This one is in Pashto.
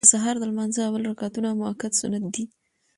د سهار د لمانځه اول رکعتونه مؤکد سنت دي.